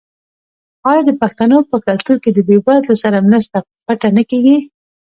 آیا د پښتنو په کلتور کې د بې وزلو سره مرسته پټه نه کیږي؟